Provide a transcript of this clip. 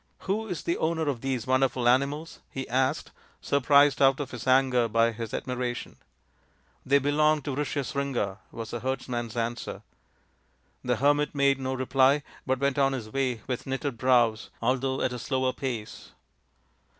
" Who is the owner of these wonderful animals ?" he asked, surprised out of his anger by his admiration. " They belong to Rishyasringa," was the herds man's answer. The hermit made no reply, but went on his way with knitted brows, although at a slower pace.